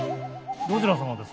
どちら様ですか？